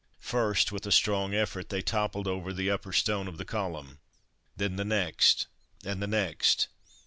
First, with a strong effort, they toppled over the upper stone of the column; then the next, and the next.